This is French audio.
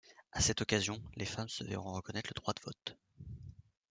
À cette occasion, les femmes se verront reconnaître le droit de vote.